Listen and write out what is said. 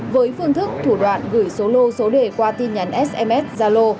với phương thức thủ đoạn gửi số lô số đề qua tin nhắn sms gia lô